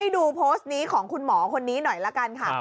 ดูโพสต์นี้ของคุณหมอคนนี้หน่อยละกันค่ะ